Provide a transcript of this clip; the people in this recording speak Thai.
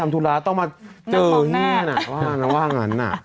ทำธุราต้องมาเจอนี่น่ะน่าว่างันน่ะ